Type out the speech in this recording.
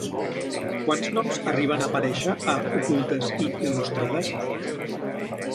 Quants noms arriben a aparèixer a Ocultes i il·lustrades?